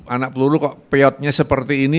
anak peluru kok piotnya seperti ini